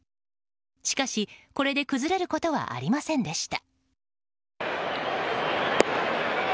しかしこれで崩れることはありませんでした。